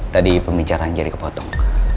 tadi pembicaraan jadi kepotong